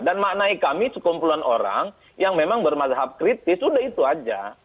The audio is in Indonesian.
dan maknai kami sekumpulan orang yang memang bermazhab kritis sudah itu aja